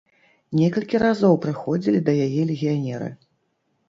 Некалькі разоў прыходзілі да яе легіянеры.